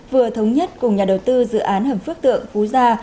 vừa thống nhất cùng nhà đầu tư dự án hầm phước tượng phú gia